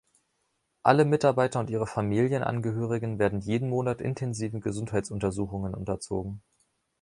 Alle Mitarbeiter und ihre Familienangehörigen werden jeden Monat intensiven Gesundheitsuntersuchungen unterzogen.